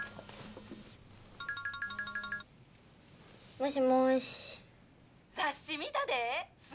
もしもーし雑誌見たです